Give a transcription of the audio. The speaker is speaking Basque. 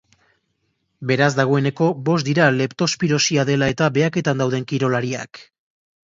Beraz, dagoeneko bost dira leptospirosia dela eta behaketan dauden kirolariak.